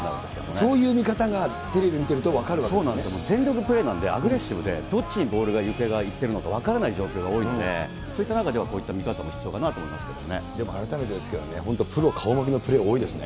そういう見方が、そうなんですよ、全力プレーなんで、アグレッシブでどっちにボールが行方がいってるのか分からない状況が多いので、そういった中ではこういった見方も必要かなと思いでも改めてですけどね、本当、プロ顔負けのプレー多いですね。